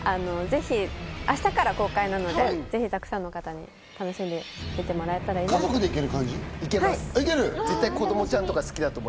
ぜひ、明日から公開なので、たくさんの方に楽しんでみてもらえたらと。